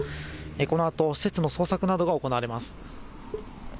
このあと施設の捜索などが行われます。